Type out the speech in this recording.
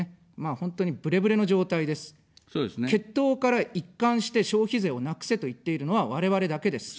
結党から一貫して消費税をなくせと言っているのは我々だけです。